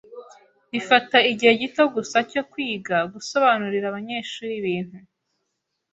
Bifata igihe gito gusa cyo kwiga gusobanurira abanyeshuri ibintu.